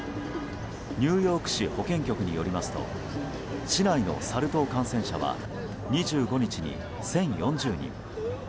ニューヨーク市保健局によりますと市内のサル痘感染者は２５日に１０４０人。